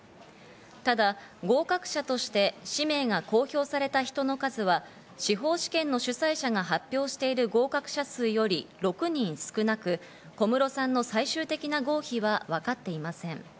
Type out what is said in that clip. ただ合格者として氏名が公表された人の数は司法試験の主催者が発表している合格者数より６人少なく、小室さんの最終的な合否はわかっていません。